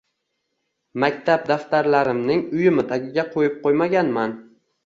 maktab daftarlarimning uyumi tagiga qo‘yib qo‘ymaganman.